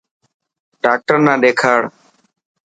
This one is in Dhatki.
ڊاڪٽر نا ڏيکاڙ.